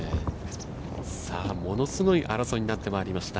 さあ物すごい争いになってまいりました。